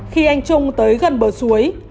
khi anh trung tới gần bờ suối